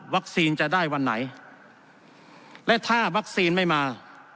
วัคซีนจะได้วันไหนและถ้าไว้ออกมา